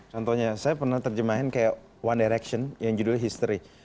contohnya saya pernah terjemahin kayak one direction yang judulnya history